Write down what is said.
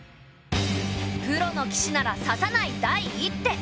プロの棋士なら指さない第１手。